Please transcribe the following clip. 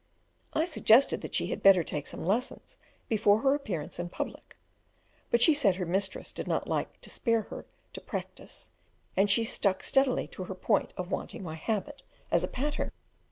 I suggested that she had better take some lessons before her appearance in public; but she said her mistress did not like to spare her to "practise," and she stuck steadily to her point of wanting my habit as a pattern.